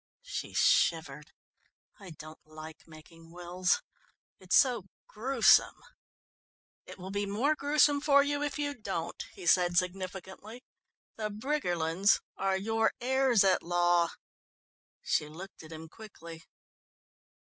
She shivered. "I don't like making wills. It's so gruesome." "It will be more gruesome for you if you don't," he said significantly. "The Briggerlands are your heirs at law." She looked at him quickly.